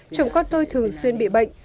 chồng con tôi thường xuyên bị bệnh